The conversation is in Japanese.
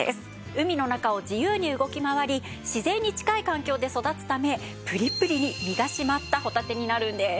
海の中を自由に動き回り自然に近い環境で育つためぷりぷりに身が締まったほたてになるんです。